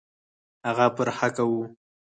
هغه پر حقه وو.